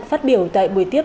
phát biểu tại buổi tiếp